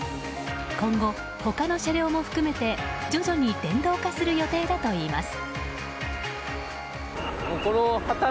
今後、他の車両も含めて徐々に電動化する予定だといいます。